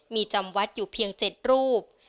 มีจำวัดอยู่เพียง๗รูป